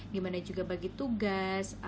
gimana juga bagi tugas